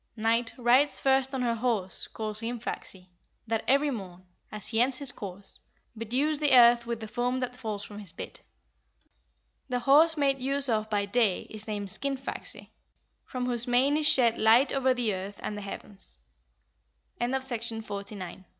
Night rides first on her horse called Hrimfaxi, that every morn, as he ends his course, bedews the earth with the foam that falls from his bit. The horse made use of by Day is named Skinfaxi, from whose mane is shed light over the earth and the heavens." OF THE SUN AND MOON. 11. "How